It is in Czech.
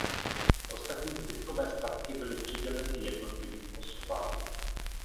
Ostatní zbytkové statky byly přiděleny jednotlivým osobám.